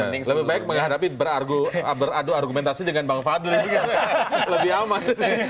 lebih baik menghadapi beradu argumentasi dengan bang fadli lebih aman